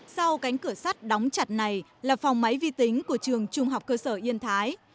sau cánh cửa sắt đóng chặt này là phòng máy vi tính của trường trung học cơ sở yên thái